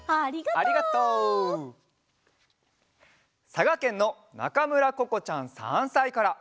さがけんのなかむらここちゃん３さいから。